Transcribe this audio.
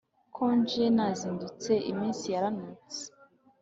ko njye nazindutse iminsi yaranutse